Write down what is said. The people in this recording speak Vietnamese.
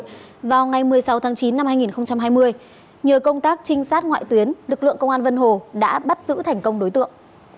một mươi sáu tháng chín năm hai nghìn hai mươi nhờ công tác trinh sát ngoại tuyến lực lượng công an vân hồ đã bắt giữ thành công đối tượng